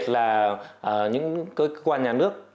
là những cơ quan nhà nước